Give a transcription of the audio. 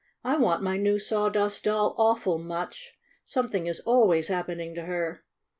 "I want my new Sawdust Doll awful much! Something is always hap pening to her!